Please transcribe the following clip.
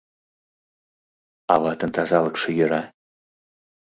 — Аватын тазалыкше йӧра?